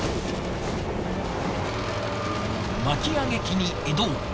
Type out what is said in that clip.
巻き上げ機に移動。